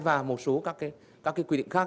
và một số các cái quy định khác